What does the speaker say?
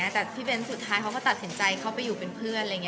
แต่พี่เบนสุดท้ายเขาก็ตัดสินใจเข้าไปอยู่เป็นเพื่อน